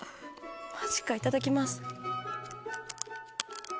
マジかいただきます。